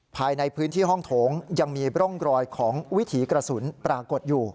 ภายในพื้นที่ห้องโถงยังมีร่องรอยของวิถีกระสุนปรากฏอยู่